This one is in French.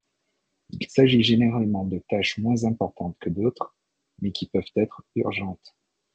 Il s'agit généralement de tâches moins importantes que d'autres, mais qui peuvent être urgentes.